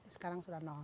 sekarang sudah